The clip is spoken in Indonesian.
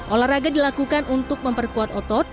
olahraga dilakukan untuk memperkuat otot